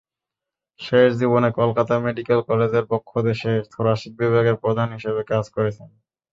শেষ জীবনে কলকাতা মেডিকেল কলেজের বক্ষদেশে থোরাসিক বিভাগের প্রধান হিসেবে কাজ করেছেন।